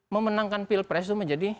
memenangkan pilpres itu menjadi